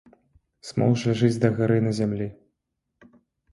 Смоўж ляжыць дагары на зямлі.